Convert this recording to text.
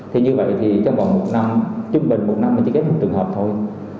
thì như vậy thì trong vòng một năm chung bình một năm mình chỉ ghép một trường hợp thôi